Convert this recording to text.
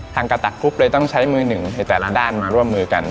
กระตะกรุ๊ปเลยต้องใช้มือหนึ่งในแต่ละด้านมาร่วมมือกัน